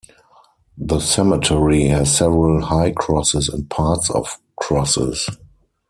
The cemetery has several high crosses and parts of crosses.